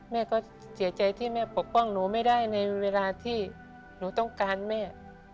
แม่ก็เสียใจที่แม่ปกป้องหนูไม่ได้ในเวลาที่หนูต้องการแม่